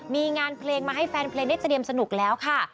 มีงานเพลงมาให้แฟนเพลงได้เตรียมสนุกแล้วค่ะ